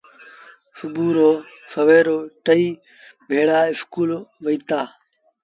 سڀو رو سويرو ٽئيٚ ڀيڙآ اسڪول وهيٚتآ۔